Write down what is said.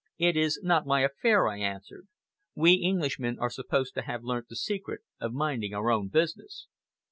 "It is not my affair," I answered. "We Englishmen are supposed to have learnt the secret of minding our own business."